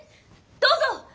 どうぞ！